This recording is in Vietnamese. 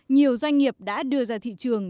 nhiều doanh nghiệp đã đưa ra thị trường